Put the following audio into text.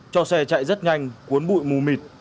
cho xe chạy rất nhanh cuốn bụi mù mịt